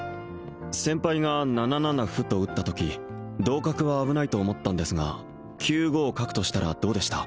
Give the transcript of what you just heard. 先輩が７七歩と打ったとき同角は危ないと思ったんですが９五角としたらどうでした？